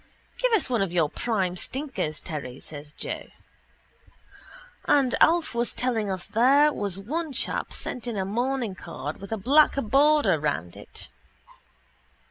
—Give us one of your prime stinkers, Terry, says Joe. And Alf was telling us there was one chap sent in a mourning card with a black border round it.